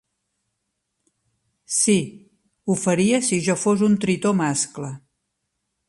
Sí, ho faria, si jo fos un tritó mascle.